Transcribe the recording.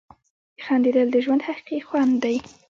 • خندېدل د ژوند حقیقي خوند دی.